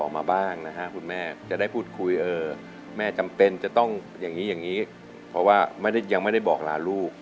ออกมาบ้างนะฮะคุณแม่จะได้พูดคุยเออแม่จำเป็นจะต้องอย่างนี้อย่างนี้เพราะว่าไม่ได้ยังไม่ได้บอกลาลูก